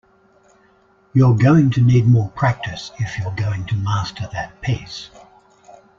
You're going to need more practice if you're going to master that piece.